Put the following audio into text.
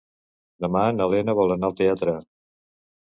Demà na Lena vol anar al teatre.